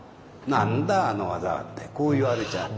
なんだあの技は！ってこう言われちゃう。